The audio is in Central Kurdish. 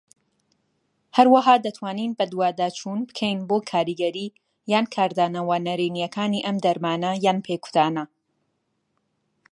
هەروەها دەتوانین بەدواداچوون بکەین بۆ کاریگەریی یان کاردانەوە نەرێنیەکانی ئەم دەرمان یان پێکوتانە.